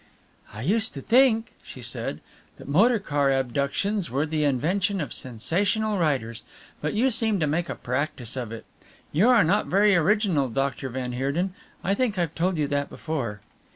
"I used to think," she said, "that motor car abductions were the invention of sensational writers, but you seem to make a practice of it. You are not very original, Dr. van Heerden. I think I've told you that before."